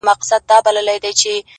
ورځي د وريځي يارانه مــاتـه كـړه”